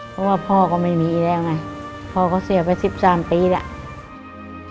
เพราะว่าพ่อก็ไม่มีแล้วไงพ่อก็เสียไป๑๓ปีแล้ว